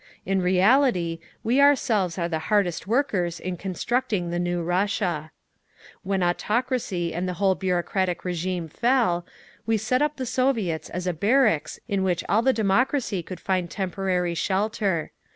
In reality, we ourselves are the hardest workers in constructing the new Russia…. "When autocracy and the whole bureaucratic régime fell, we set up the Soviets as a barracks in which all the democracy cod find temporary shelter.